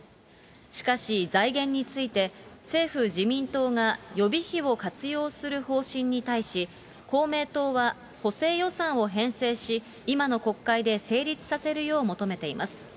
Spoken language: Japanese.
しかし、財源について政府・自民党が予備費を活用する方針に対し、公明党は補正予算を編成し、今の国会で成立させるよう求めています。